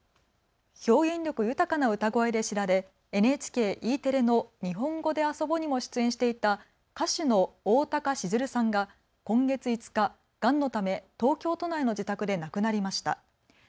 表現力豊かな歌声で知られＮＨＫＥテレのにほんごであそぼにも出演していた歌手のおおたか静流さんが今月５日、がんのため東京都内の自宅で亡くなりました。